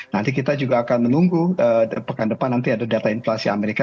nanti kita juga akan menunggu pekan depan nanti ada data inflasi amerika